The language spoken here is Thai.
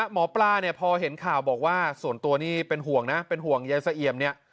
หมอปลาพอเห็นข่าวบอกว่าส่วนตัวนี้เป็นห่วงนะเป็นห่วงยายเสียม